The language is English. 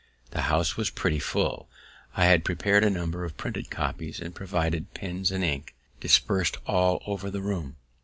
The house was pretty full; I had prepared a number of printed copies, and provided pens and ink dispers'd all over the room.